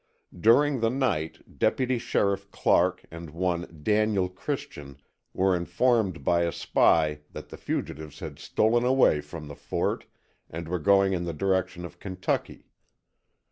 During the night Deputy Sheriff Clark and one Daniel Christian were informed by a spy that the fugitives had stolen away from the fort and were going in the direction of Kentucky.